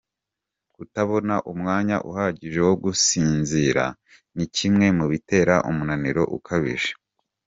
Kutabona umwanya uhagije wo gusinzira ni kimwe mu bitera umunaniro ukabije.